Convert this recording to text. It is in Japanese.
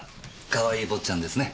かわいい坊ちゃんですね。